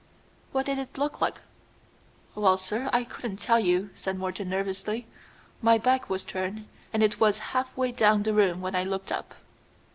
"What did it look like?" "Well, sir, I couldn't tell you," said Morton nervously; "my back was turned, and it was halfway down the room when I looked up."